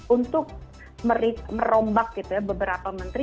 untuk merombak gitu ya beberapa menteri